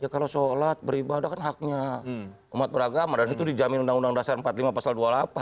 kalau sholat beribadah kan haknya umat beragama dan itu dijamin undang undang dasar empat puluh lima pasal dua puluh delapan